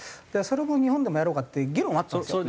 それを日本でもやろうかっていう議論はあったんですよ。